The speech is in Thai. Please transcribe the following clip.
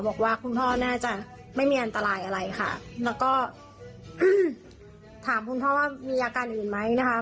บอกว่าคุณพ่อน่าจะไม่มีอันตรายอะไรค่ะแล้วก็ถามคุณพ่อว่ามีอาการอื่นไหมนะคะ